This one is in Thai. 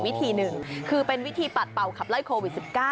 วิธีหนึ่งคือเป็นวิธีปัดเป่าขับไล่โควิด๑๙